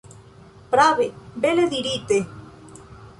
Prave, bele dirite!